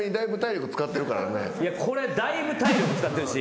これだいぶ体力使ってるし。